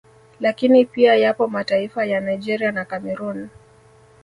Lakini pia yapo mataifa ya Nigeria na Cameroon